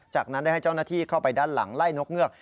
จากนั้นได้ให้เจ้าหน้าที่เข้าไปด้านหลังไล่นกเงือก